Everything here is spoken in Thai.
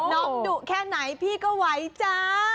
ดุแค่ไหนพี่ก็ไหวจ้า